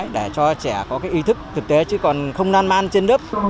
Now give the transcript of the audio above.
để cho trẻ có cái ý thức thực tế chứ còn không nan man trên đất